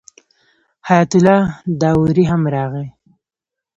حیات الله داوري هم راغی.